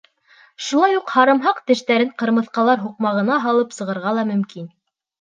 Шулай уҡ һарымһаҡ тештәрен ҡырмыҫҡалар һуҡмағына һалып сығырға ла мөмкин.